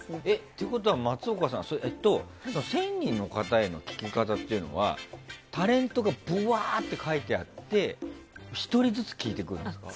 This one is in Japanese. ということは松岡さん１０００人の方への聞き方というのはタレントがぶわーって書いてあって１人ずつ聞いていくんですか？